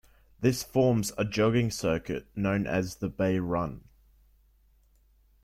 This forms a jogging circuit known as The Bay Run.